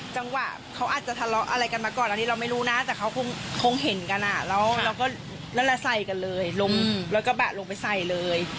จังหวะเขาอาจจะทะเลาะอะไรกันมาก่อนอันนี้เราไม่รู้นะแต่เขาคงเห็นกันอ่ะแล้วเราก็นั่นแหละใส่กันเลยลงรถกระบะลงไปใส่เลย